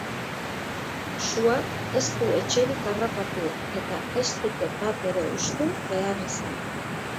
Suak ez du etxerik harrapatu eta ez dute bat ere hustu behar izan.